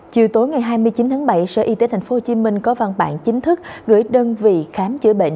chiều tối ngày hai mươi chín tháng bảy sở y tế tp hcm có văn bản chính thức gửi đơn vị khám chữa bệnh